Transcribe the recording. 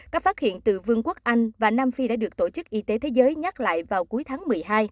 các phát hiện từ vương quốc anh và nam phi đã được tổ chức y tế thế giới nhắc lại vào cuối tháng một mươi hai